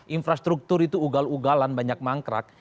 infrastruktur itu ugal ugalan banyak mangkrak